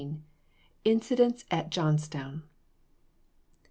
INCIDENTS AT JOHNSTOWN.